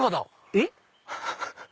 えっ？